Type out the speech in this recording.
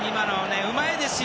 うまいですよ。